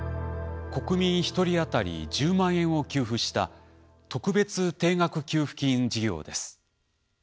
国民１人当たり１０万円を給付した特別定額給付金事業です。